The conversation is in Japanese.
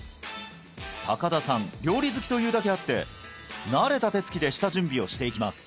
高田さん料理好きというだけあって慣れた手つきで下準備をしていきます